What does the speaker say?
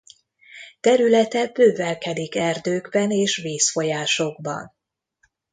Területe bővelkedik erdőkben és vízfolyásokban.